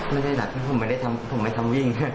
แม่ได้รักผมไม่ได้ทำผมไม่ทำวิ่ง